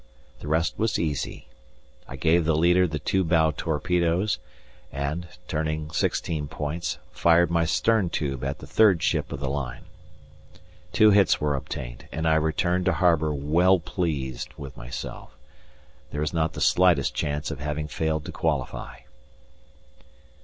The rest was easy. I gave the leader the two bow torpedoes, and, turning sixteen points, fired my stern tube at the third ship of the line. Two hits were obtained, and I returned to harbour well pleased with myself. There is not the slightest chance of having failed to qualify.